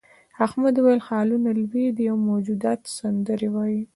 احمد وویل هالونه لوی دي او موجودات سندرې وايي.